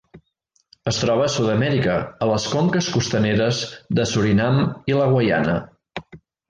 Es troba a Sud-amèrica, a les conques costaneres de Surinam i la Guaiana.